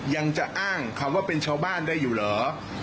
ยังจะอ้างคำว่าเป็นชาวบ้านได้อยู่เหรอ